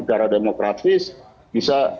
secara demokratis bisa